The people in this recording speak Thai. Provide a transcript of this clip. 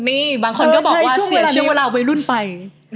นี่บางคนก็บอกว่าศิลป์ช่วยช่วงเวลาวัยรุ่นไป